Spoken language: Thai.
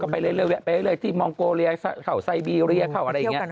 ไปเรื่อยที่มองโกเรียเขาไซบีเรียเข้าอะไรอย่างนี้